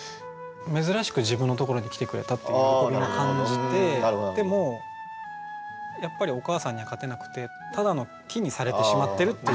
珍しく自分のところに来てくれたっていう喜びも感じてでもやっぱりお母さんには勝てなくてただの樹にされてしまってるっていう。